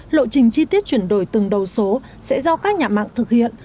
lộ trình chi tiết chuyển đổi từng đầu số sẽ do các nhà mạng thực hiện